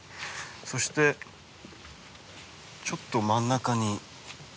そしてちょっと真ん中に。